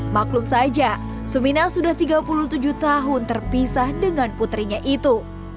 maklum saja sumina sudah tiga puluh tujuh tahun terpisah dengan putrinya itu